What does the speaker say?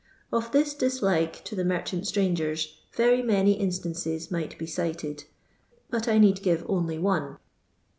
Of this dislike to the merchant strangerii, very many instances might be cited, but I need give only one.